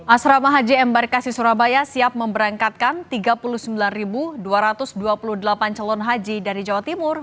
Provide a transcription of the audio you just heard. asrama haji embarkasi surabaya siap memberangkatkan tiga puluh sembilan dua ratus dua puluh delapan calon haji dari jawa timur